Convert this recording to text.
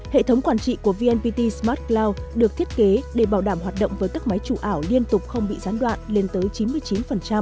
hệ thống quản trị của vnpt smart cloud được thiết kế để bảo đảm hoạt động với các máy chủ ảo liên tục không bị gián đoạn lên tới chín mươi chín